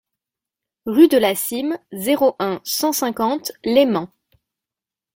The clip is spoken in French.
Rue de la Cîme, zéro un, cent cinquante Leyment